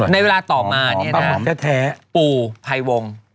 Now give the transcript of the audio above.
ในเวลาต่อมาอันนี้นะครับปู่ภัยวง